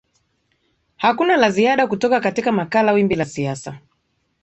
hakuna la ziada kutoka katika makala wimbi la siasa